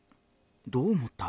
どう思った？